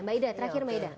mbak ida terakhir mbak ida